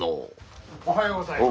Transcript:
おはようございます。